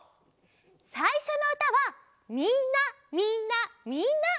さいしょのうたは「みんなみんなみんな」。